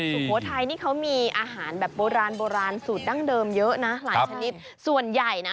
สุโขทัยนี่เขามีอาหารแบบโบราณโบราณสูตรดั้งเดิมเยอะนะหลายชนิดส่วนใหญ่นะ